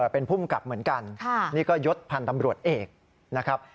เป็นภูมิกับเหมือนกันนี่ก็ยศพันธ์ตำรวจเอกนะครับ